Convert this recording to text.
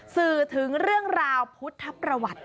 ซื้อถึงเรื่องราวพุทธพระวัตนั่นเอง